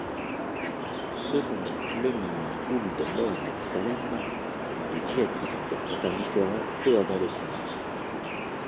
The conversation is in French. Selon Lemine Ould Mohamed Salem, les djihadistes ont un différend peu avant le combat.